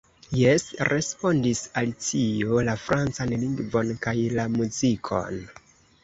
"Jes," respondis Alicio, "la francan lingvon kaj la muzikon."